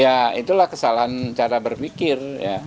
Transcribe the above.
ya itulah kesalahan cara berpikir